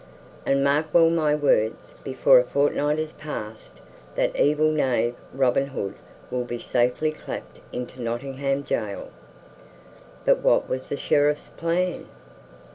And mark well my words: before a fortnight is passed, that evil knave Robin Hood will be safely clapped into Nottingham gaol." But what was the Sheriff's plan?